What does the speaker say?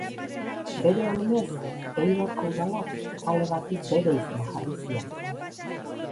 Bere omenez Eibarko Udalak kale bati bere izena jarri zion.